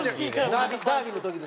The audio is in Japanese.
ダービーの時に。